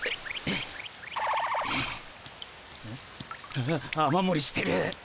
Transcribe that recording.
ああっ雨もりしてる。